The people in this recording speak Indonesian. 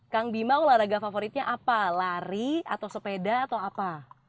kang bima olahraga favoritnya apa lari atau sepeda atau apa